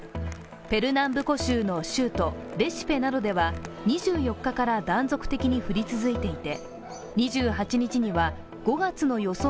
ペルナンブコ州の州都レシフェなどでは２４日から断続的に降り続いていて、２８日には５月の予想